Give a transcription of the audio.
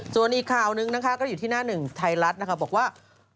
ส่วนอีกข่าวหนึ่งนะคะในหน้าหนึ่งไทยรัสบอกว่า